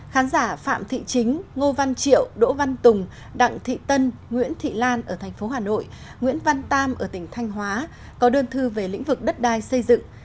khán giả phạm thị chính ngô văn triệu đỗ văn tùng đặng thị tân nguyễn thị lan ở thành phố hà nội nguyễn văn tam ở tỉnh thanh hóa có đơn thư về lĩnh vực đất đai xây dựng